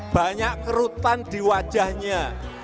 banyak kerutan di wajahnya